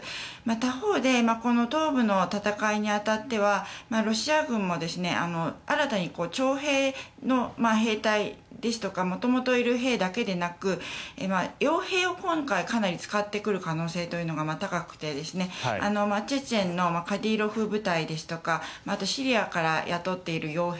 他方でこの東部の戦いに当たってはロシア軍も新たに徴兵の兵隊ですとか元々いる兵だけでなく傭兵を今回かなり使ってくる可能性が高くてチェチェンのカディロフ部隊ですとかシリアから雇っている傭兵。